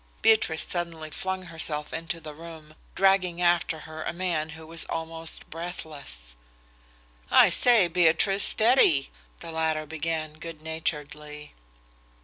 Beatrice suddenly flung herself into the room, dragging after her a man who was almost breathless. "I say, Beatrice, steady!" the latter began good naturedly.